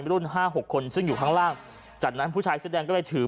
รุ่นห้าหกคนซึ่งอยู่ข้างล่างจากนั้นผู้ชายเสื้อแดงก็เลยถือ